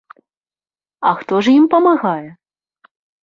А хто ж ім памагае?